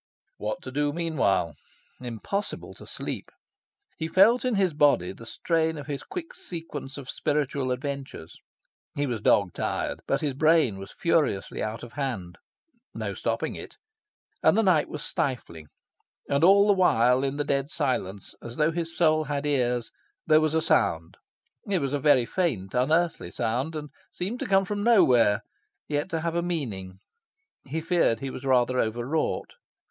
What to do meanwhile? Impossible to sleep. He felt in his body the strain of his quick sequence of spiritual adventures. He was dog tired. But his brain was furiously out of hand: no stopping it. And the night was stifling. And all the while, in the dead silence, as though his soul had ears, there was a sound. It was a very faint, unearthly sound, and seemed to come from nowhere, yet to have a meaning. He feared he was rather over wrought.